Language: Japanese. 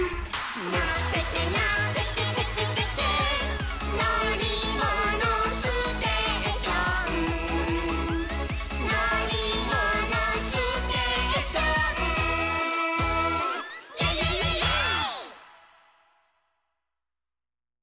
「のってけのってけテケテケ」「のりものステーション」「のりものステーション」「イエイイエイイエイイエイ！」